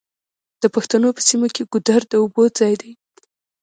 د پښتنو په سیمو کې ګودر د اوبو ځای دی.